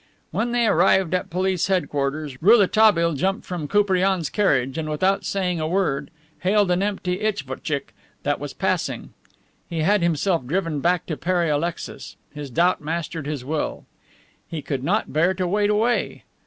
When they arrived at police headquarters, Rouletabille jumped from Koupriane's carriage and without saying a word hailed an empty isvotchick that was passing. He had himself driven back to Pere Alexis. His doubt mastered his will; he could not bear to wait away.